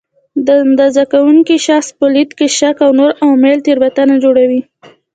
د اندازه کوونکي شخص په لید کې شک او نور عوامل تېروتنه جوړوي.